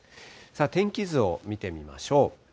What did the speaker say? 天気図を見てみましょう。